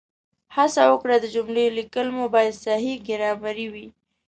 هڅه وکړئ د جملو لیکل مو باید صحیح ګرامري وي